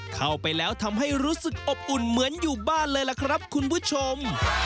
เข้าไปแล้วทำให้รู้สึกอบอุ่นเหมือนอยู่บ้านเลยล่ะครับคุณผู้ชม